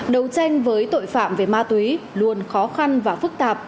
đấu tranh với tội phạm về ma túy luôn khó khăn và phức tạp